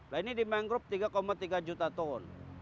nah ini di mangrove tiga tiga juta ton